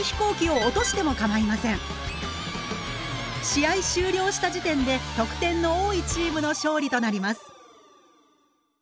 試合終了した時点で得点の多いチームの勝利となります。